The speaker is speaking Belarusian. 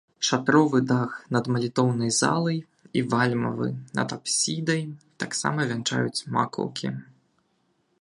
Шатровы дах над малітоўнай залай і вальмавы над апсідай таксама вянчаюць макаўкі.